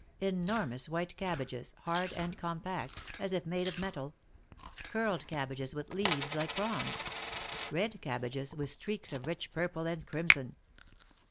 Enor mous white cabbages, hard and compact, as if made of metal ; curled cabbages with leaves like bronze ; red cab bages with streaks of rich purple and crimson.